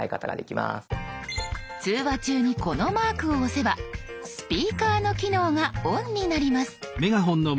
通話中にこのマークを押せばスピーカーの機能がオンになります。